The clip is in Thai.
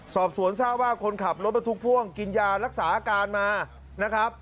สอบสวนทราบว่าคนขับรถบรรทุกพ่วงกินยารักษาอาการมานะครับ